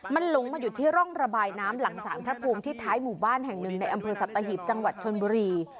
มันหลงมาอยู่ที่ร่องระบายน้ำหลังสารพระภูมิที่ท้ายหมู่บ้านแห่งหนึ่งในอำเภอสัตหิบจังหวัดชนบุรี